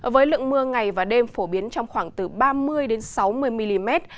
với lượng mưa ngày và đêm phổ biến trong khoảng từ ba mươi sáu mươi mm